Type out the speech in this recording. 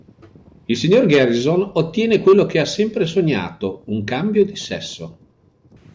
Il signor Garrison ottiene quello che ha sempre sognato: un cambio di sesso.